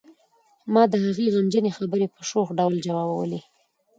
ما د هغې غمجنې خبرې په شوخ ډول ځوابولې